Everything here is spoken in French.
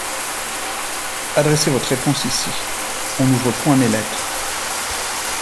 Adressez votre réponse ici : on n'ouvre point mes lettres.